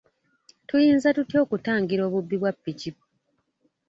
Tuyinza tutya okutangira obubbi bwa ppiki?